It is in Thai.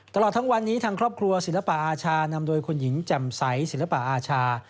ตลอดทั้งวันนี้ทางครอบครัวศิลปะอาชานำโดยคุณหญิงแจ่มใสศิลปะอาชา